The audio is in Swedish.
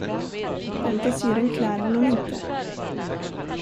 Den frisyren klär honom inte.